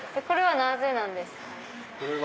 これはなぜなんですか？